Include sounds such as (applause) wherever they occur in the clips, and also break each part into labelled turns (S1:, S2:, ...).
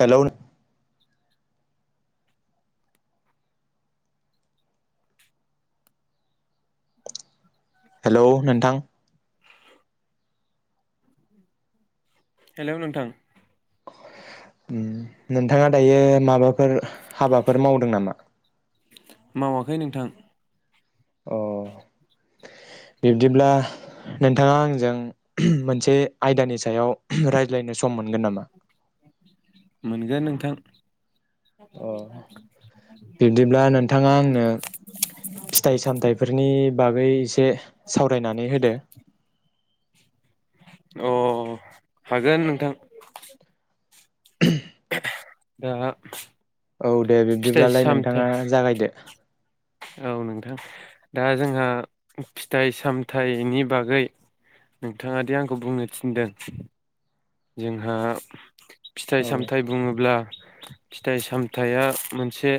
S1: Hello नो
S2: (inaudible)
S1: hello नोंथां।
S2: Hello नोंथां।
S1: ओम नोंथाङा दायो माबा फोर हाबाफोर मावदों नामा?
S2: मावाखै नोंथां।
S1: अ बिब्दिब्ला नोंथाङा आंजों मोनसे आयदानि सायाव रायज्लायनो स
S2: मोनगोन नोंथां।
S1: अ बिब्दिब्ला नोंथाङा आंनो फिथाइ सामथाइफोरनि बागै ए से सावरायनानै होदो।
S2: अ हागोन नोंथां।
S1: (unintelligible)
S2: दा
S1: औ दे
S2: फिथाइ
S1: बिब्दिब्लालाय
S2: सामथाइ
S1: नोंथाङा जागायदो।
S2: औ नोंथां दा जोंहा फिथाइ सामथायाइनि बागै नोंथाङादि आंखौ बुंनो थिनदों जोंहा फिथाइ
S1: औ
S2: सामथाइ बुङोब्ला फिथाइ सामथाइया मोनसे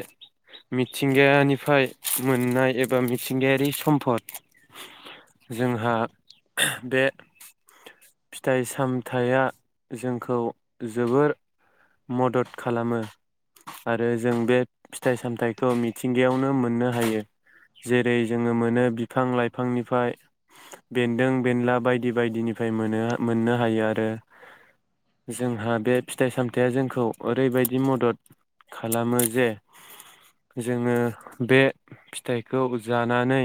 S2: मिथिंगायानिफ्राय मोननाय एबा मिथिंगायारि सम्पद जोंहा बे फिथाइ सामथाइया जोंखौ जोबोर मदद खालामो आरो जों बे फिथाइ सामथाइखौ मिथिंगायावनो मोननो हायो जेरै जोङो मोनो बिफां लाइफांनिफ्राय बेन्दों बेनला बायदि बायदिनिफ्राय मोननो हायो आरो। जोंहा बे फिथाइ सामथाइया जोंखौ ओरैबायदि मदद खालामो जे जोङो बे फिथाइखौ जानानै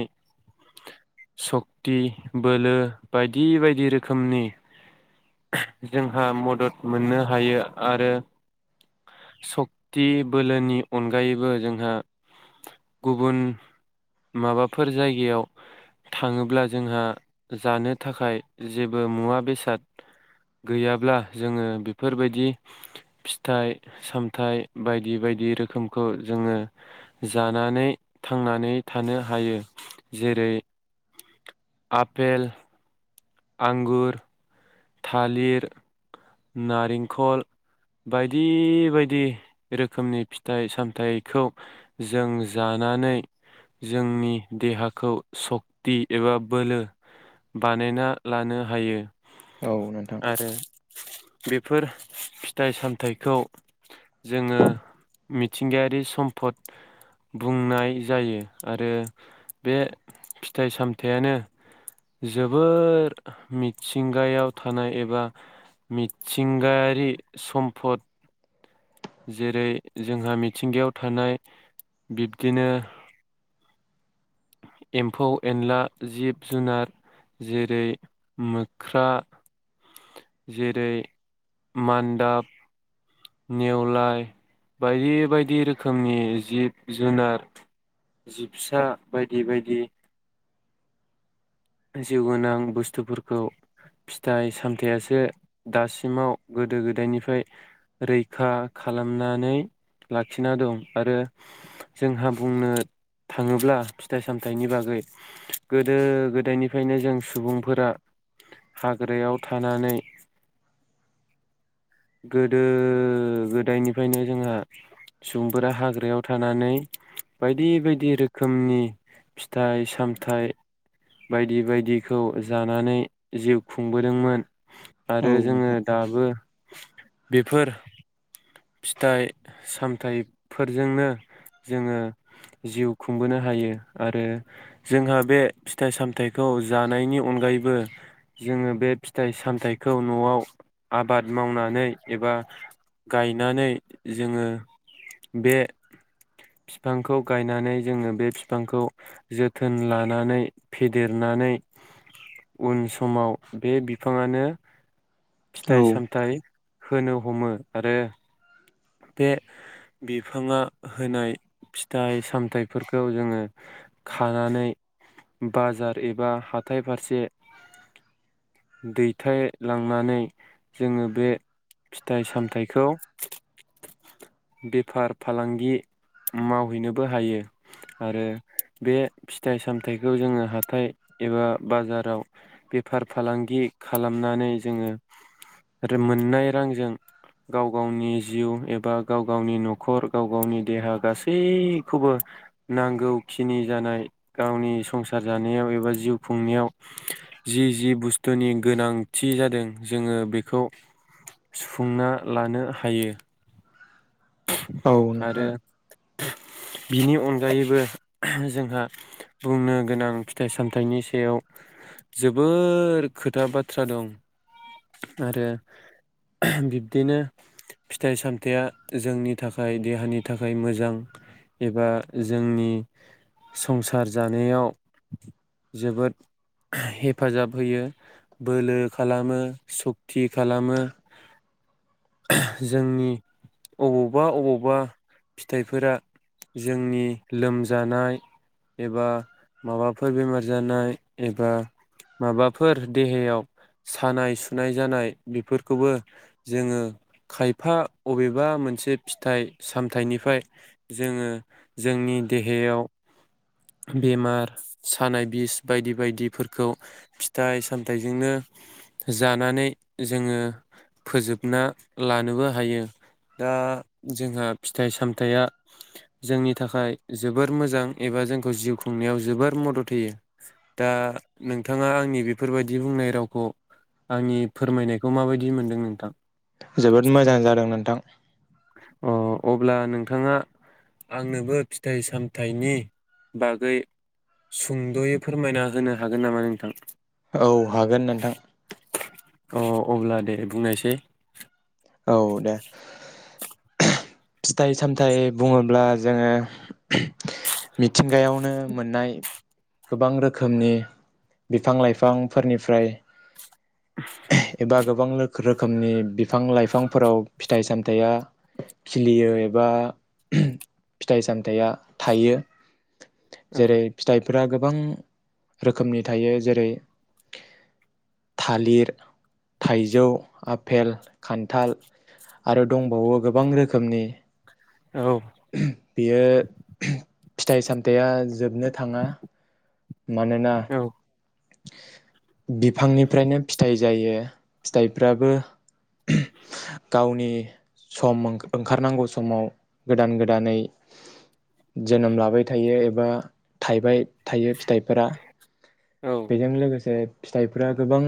S2: सक्ति बोलो बायदि बायदि रोखोमनि जोंहा मदद मोननो हायो आरो सक्ति बोलोनि अनगायैबो जोंहा गुबुन माबाफोर जायगायाव थाङोब्ला जोंहा जानो थाखाय जेबो मुवा बेसाद गैयाब्ला जोङो बेफोरबायदि फिथाइ सामथाइ बायदि बायदि रोखोमखौ जोङो जानानै थांनानै थानो हायो जेरै आपेल आंगुर थालिर नारेंखल बायदि बायदि रोखोमनि फिथाइ सामथाइखौ जों जानानै जोंनि देहाखौ सक्ति एबा बोलो बानायना लानो हायो।
S1: औ नोंथां।
S2: आरो बेफोर फिथाइ सामथाइखौ जोङो मिथिंगायारि सम्फद बुंनाय जायो आरो बे फिथाइ सामथाइयानो जोबोर मिथिंगायाव थानाय एबा मिथिंगायारि सम्पद जेरै जोंहा मिथिंगायाव थानाय बिब्दिनो एम्फौ एनला जिब जुनार जेरै मोख्रा जेरै मान्दाब नेवलाय बायदि बायदि रोखोमनि जिब जुनार जिबसा बायदि बायदि जिउ गोनां बुस्थुफोरखौ फिथाइ सामथाइयासो दासिमाव गोदो गोदायनिफ्राय रैखा खालामनानै लाखिना दं आरो जोंहा बुंनो थाङोब्ला फिथाइ सामथाइनि बागै गोदो गोद गोदायनिफ्रायनो जों सुबुंफोरा हाग्रायाव थानानै गोदो गोदायनिफ्रायनो जोंहा सुबुंफोरा हाग्रायाव थानानै बायदि बायदि रोखोमनि फिथाइ सामथाइ बायदि बायदिखौ जानानै जिउ खुंबोदोंमोन।
S1: औ
S2: आरो जोङो
S1: नोंथां
S2: दाबो बेफोर फिथाइ सामथाइफोरजोंनो जोङो जिउ खुंबोनो हायो आरो जोंहा बे फिथाइ सामथाइखौ जानायनि अनगायैबो जोङो बे फिथाइ सामथाइखौ न'आव आबाद मावनानै एबा गायनानै जोङो बे फिफांखौ गायनानै जोङो बे फिफांखौ जोथोन लानानै फेदेरनानै उन समाव बे बिफाङानो
S1: औ
S2: फिथाइ सामथाइ होनो हमो। आरो बे बिफाङा होनाय फिथाइ सामथाइफोरखौ जोङो खानानै बाजार एबा हाथाय फारसे दैथायलांनानै जोङो बे फिथाइ सामथाइखौ बेफार फालांगि मावहैनोबो हायो आरो बे फिथाइ सामथायाइखौ जोङो हाथाय एबा बाजाराव बेफार फालांगि खालामनानै जोङो मोननाय रांजों गाव गावनि जिउ एबा गाव गावनि न'खर गाव गावनि देहा गासैखौबो नांगौखिनि जानाय गावनि संसार जानायाव एबा जिउ खुंनायाव जि जि बुस्थुनि गोनांथि जादों जोङो बेखौ सुफुंना लानो हायो।
S1: औ
S2: आरो
S1: नोंथां
S2: बिनि अनगायैबो जोंहा बुंनो गोनां फिथाइ सामथाइनि सायाव जोबोर खोथा बाथ्रा दं आरो बिब्दिनो फिथाइ सामथायाइया जोंनि थाखाय देहानि थाखाय मोजां एबा जोंनि संसार जानायाव जोबोद हेफाजाब होयो बोलो खालामो सक्ति खालामो जोंनि अबावबा अबावबा फिथाइफोरा जोंनि लोमजानाय एबा माबाफोर बेमार जानाय एबा माबाफोर देहायाव सानाय सुनाय जानाय बेफोरखौबो जोङो खायफा अबेबा मोन मोनसे फिथाइ सामथाइनिफ्राय जोङो जोंनि देहायाव बेमार सानाय बिस बायदि बायदिफोरखौ फिथाइ सामथाइजोंनो जानानै जोङो फोजोबना लानोबो हायो। दा जोंहा फिथाइ सामथाइया जोंनि थाखाय जोबोर मोजां एबा जोंखौ जिउ खुंनायाव जोबोर मदद होयो दा नोंथाङा आंनि बेफोरबायदि बुंनाय रावखौ आंनि फोरमायनायखौ माबायदि मोनदों नोंथां।
S1: जोबोद मोजां जादों नोंथां
S2: अ अब्ला नोंथाङा आंनोबो फिथाइ सामथाइनि बागै सुंद'यै फोरमायना होनो हागोन नामा नोंथां।
S1: औ हागोन नोंथां।
S2: अ अब्ला दे बुंनायसै
S1: औ दे फिथाइ सामथाइ बुंङोब्ला जोंङो मिथिंगायावनो मोननाय गोबां रोखोमनि बिफां लाइफांफोरनिफ्राय एबा गोबां रोखोमनि बिफां लाइफांफोराव फिथाइ सामथ दाया खिलियो एबा फिथाइ सामथायाइया थायो।
S2: औ
S1: जेरै फिथाइ फोरा गोबां रोखोमनि थायो। जेरै थालिर थाइजोखौ खान्थाल आरो दंबावो गोबां रोखोमनि
S2: औ
S1: बियो फिथाइ सामथाया आं जोबनो थांङा। मानोना
S2: औ
S1: बिफांनिफ्रायनो फिथायाइ जायो फिथाइफ्राबो गावनि सम ओंखारनांगौ समाव गोदान गोदानै जोनोम लाबाय थायो एबा थायबाय थायो फिथाइफोरा।
S2: औ
S1: बेजों लोगोसे फिथाइफोरा गोबां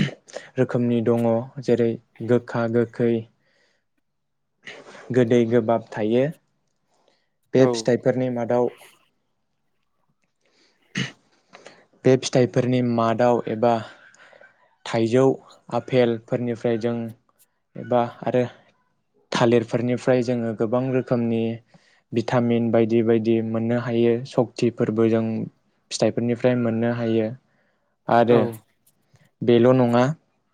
S1: रोखोमनि दंङ जेरै गोखा गोखै गोदै गोबाब थायो बे
S2: औ
S1: फिथाइफोरनि मादाव (unintelligible) बे फिथाइफोरनि मादाव एबा। थाइजौ आफेलफोरनिफ्राय जों एबा आरो थालिरफोरनिफ्राय जोंङो गोबां रोखोमनि भिटामिन बायदि बायदि मोननो हायो। सक्तिफोरबो जों फिथाइफोरनिफ्राय मोननो हायो। आरो
S2: औ
S1: बेल' नंङा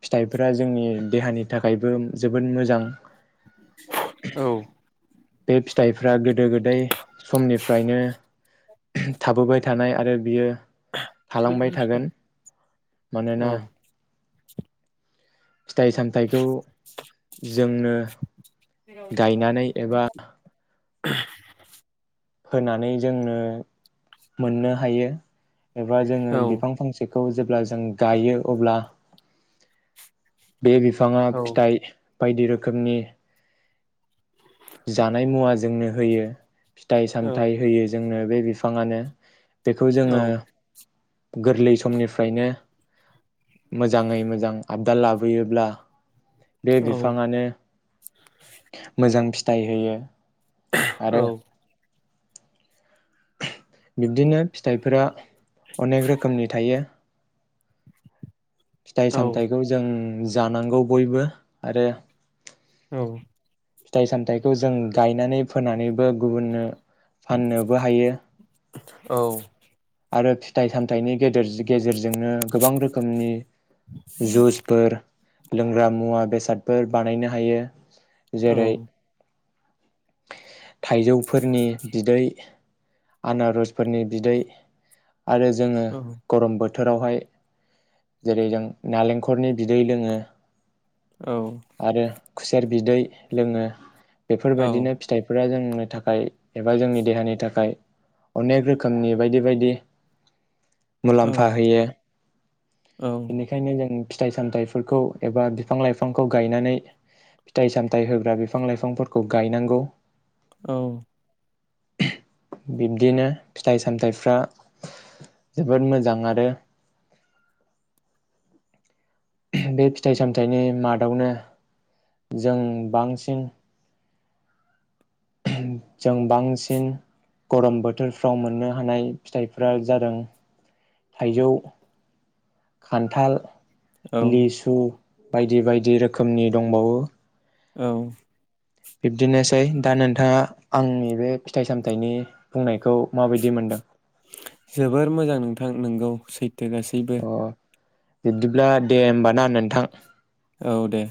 S1: फिथाइफोरारा जोंनि देहानि थाखायबो जोबोद मोजां ।
S2: औ ।
S1: बे फिथाइफ्रा गोदो गोदाय समनिफ्रायनो थाबोबाय थानाय आरो बियो थालांबाय थागोन मानोना फिथाइ सामथाइखौ जोंनो गायनानै एबा होनानै जोंनो मोननो हायो । एबा जोंङो बिफां फांसे औ जेब्ला जों गायो अब्ला बे बिफाङा
S2: औ
S1: फिथाइ बायदि रोखोमनि जानाय मुवा जोंनो होयो । फिथाइ सामथायाइ होयो जोंनो । बे बिफाङानो। बेखौ
S2: औ
S1: जोङो गोरलै समनिफ्रायनो मोजाङै मोजां आबदाल लाबोयोब्ला बे बिफाङानो मोजां फि थाइ होयो।
S2: औ
S1: बिब्दिनो फिथाइफोरा अनेक रोखोमनि थायो। फिथाइ
S2: औ
S1: सामथायाइखौ जों जानांगौ बयबो आरो
S2: औ
S1: फिथाइ सामथाइखौ जों गायनानै फोनानैबो गुबुननो फाननोबो हायो।
S2: औ
S1: आरो फिथाइ सामथाइनि गेदेर गेजेर जोंनो गोबां रोखोमनि जुसफोर लोंग्रा मुवा बेसादफोर बानायनो हायो। जेरै थाइजौफोरनि बिदै आनारसफोरनि बिदै आरो जोङो गरम बो थोरावहाय जेरै जों नालेंखरनि बिदै लोङो आरो खुसेर बिदै लोङो बेफोरबायदिनो फोरा जोंनो थाखाय एबा जोंनि देहानि थाखाय अनेक रोखोमनि बायदि बायदि
S2: औ
S1: मुलाम्फा होयो
S2: औ औ
S1: बेनिखायनो जों फि थाइ सामथाइफोरखौ एबा बिफां लाइफांखौ गायनानै फिथाइ सामथाइ होग्रा बिफां लाइफांफोरखौ गायनांगौ।
S2: औ
S1: बिब्दिनो फिथाइ सामथाइफ्रा जोबोद मोजां आरो बे फिथाइ सामथाइनि मादावनो जों बांसिन जों बांसिन गरम बोथोरफ्राव मोननो हानाय फिथाइफोरा जादों थाइजौ, खान्थाल,
S2: औ
S1: लिसु, बायदि बायदि रोखोमनि दंबावो।
S2: औ
S1: बिब्दिनोसै दा नोंथाङा आंनि बे फिथाइ सामथाइनि बुंनायखौ माबायदि मोनदों?
S2: जोबोर मोजां नोंथां नोंगौ सैथ थो गासैबो।
S1: बिबदिब्ला दे होमबा ना नोंथां।
S2: औ दे।